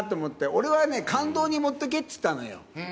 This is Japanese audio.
俺はね、感動に持ってけって言ったのよ。